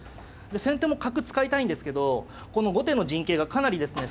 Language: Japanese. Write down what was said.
先手も角使いたいんですけどこの後手の陣形がかなりですね